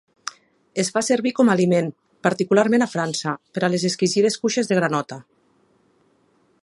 Es fa servir com a aliment, particularment a França, per a les exquisides cuixes de granota.